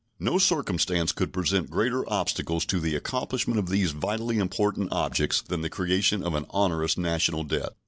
No circumstance could present greater obstacles to the accomplishment of these vitally important objects than the creation of an onerous national debt.